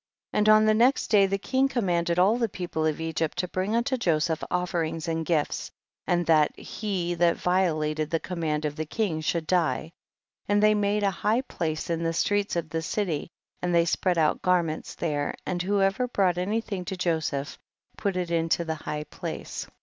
33. And on the next day the king commanded all the people of Egypt to bring unto Joseph offerings and gifts, and that he that violated the command of the king should die ; and they made a high place in the street of the cily, and they spread out garments there, and who ever brought anything to Joseph put it into the high place.